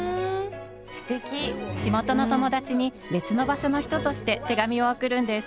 地元の友達に別の場所の人として手紙を送るんです。